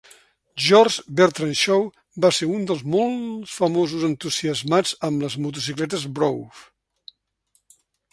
George Bernard Shaw va ser un dels molts famosos entusiasmats amb les motocicletes Brough.